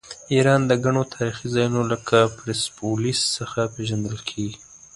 ایران د ګڼو تاریخي ځایونو لکه پرسپولیس څخه پیژندل کیږي.